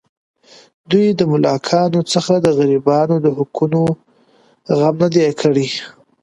دوی د ملاکانو څخه د غریبانو د حقوقو غم نه دی کړی.